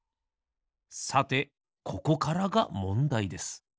さてここからがもんだいです。